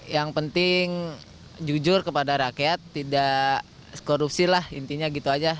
yang penting jujur kepada rakyat tidak korupsi lah intinya gitu aja